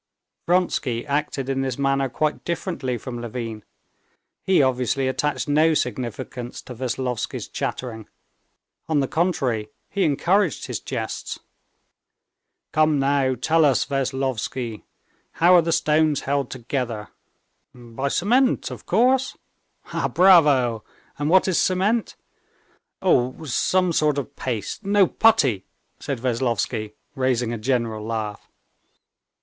Vronsky acted in this matter quite differently from Levin. He obviously attached no significance to Veslovsky's chattering; on the contrary, he encouraged his jests. "Come now, tell us, Veslovsky, how are the stones held together?" "By cement, of course." "Bravo! And what is cement?" "Oh, some sort of paste ... no, putty," said Veslovsky, raising a general laugh.